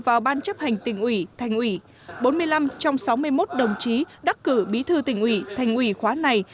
vào ban chấp hành tỉnh ủy thành ủy bốn mươi năm trong sáu mươi một đồng chí đắc cử bí thư tỉnh ủy thành ủy khóa này